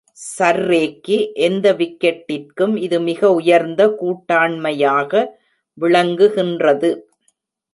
சர்ரேக்கு எந்த விக்கெட்டிற்கும் இது மிக உயர்ந்த கூட்டாண்மையாக விளங்குகின்றது.